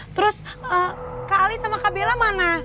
terus kak ali sama kak bella mana